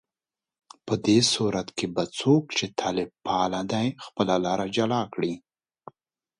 په دې صورت کې به څوک چې طالب پاله دي، خپله لاره جلا کړي